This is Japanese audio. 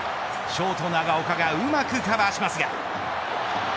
ショート長岡がうまくカバーしますが。